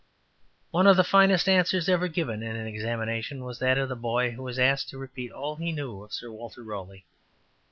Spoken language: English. '' One of the finest answers ever given in an examination was that of the boy who was asked to repeat all he knew of Sir Walter Raleigh.